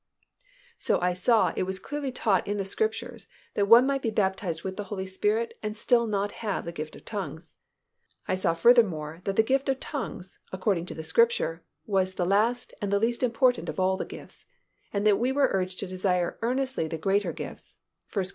So I saw it was clearly taught in the Scriptures that one might be baptized with the Holy Spirit and still not have the gift of tongues. I saw furthermore that the gift of tongues, according to the Scripture, was the last and the least important of all the gifts, and that we were urged to desire earnestly the greater gifts (1 Cor.